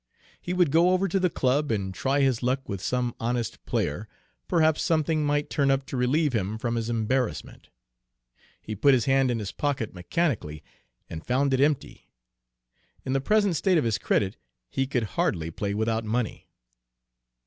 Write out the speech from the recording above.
He would go over to the club and try his luck with some honest player, perhaps something might turn up to relieve him from his embarrassment. He put his hand in his pocket mechanically, and found it empty! In the present state of his credit, he could hardly play without money.